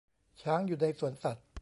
ช้างอยู่ในสวนสัตว์